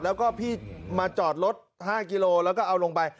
แล้วก็พี่มาจอดรถ๕กิโลแล้วก็เอาลงไป